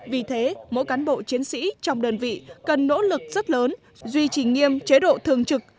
vì thế mỗi cán bộ chiến sĩ trong đơn vị cần nỗ lực rất lớn duy trì nghiêm chế độ thường trực